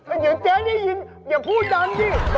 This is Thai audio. ก็เดี๋ยวเจ๊นิย์ยินอย่าพูดดันสิ